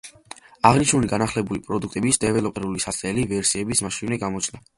აღნიშნული განახლებული პროდუქტების დეველოპერული საცდელი ვერსიებიც მაშინვე გამოჩნდა.